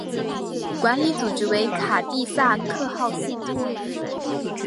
管理组织为卡蒂萨克号信托。